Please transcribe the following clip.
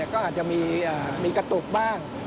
ก็อาจจะมีกระตุกบ้าง